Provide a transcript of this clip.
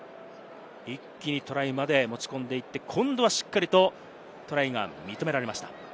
一気にトライまで持ち込んでいって、今度はしっかりとトライが認められました。